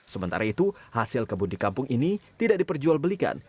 sementara itu hasil kebun di kampung ini tidak diperjualbelikan